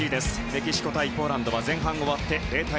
メキシコ対ポーランドは前半終わって０対０